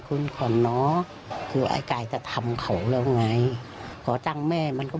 คุณก่อนเนอะคือไอ้กายจะทำเขาแล้วไงขอตังค์แม่มันก็